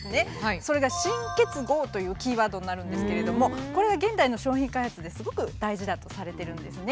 それが「新結合」というキーワードになるんですけれどもこれが現代の商品開発ですごく大事だとされてるんですね。